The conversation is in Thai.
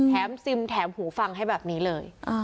ซิมแถมหูฟังให้แบบนี้เลย